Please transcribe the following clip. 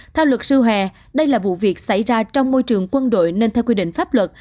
theo luật sư hòe đây là vụ việc xảy ra trong môi trường quân đội nên theo quy định pháp luật